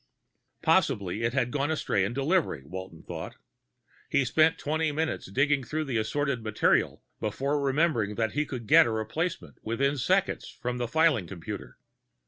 Possibly it had gone astray in delivery, Walton thought. He spent twenty minutes digging through the assorted material before remembering that he could get a replacement within seconds from the filing computer.